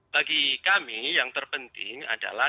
bagi kami yang terpenting adalah